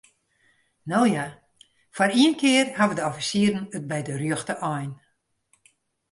No ja, foar ien kear hawwe de offisieren it by de rjochte ein.